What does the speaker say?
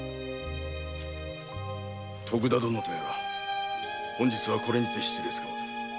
徳田殿とやら本日はこれにて失礼つかまつる。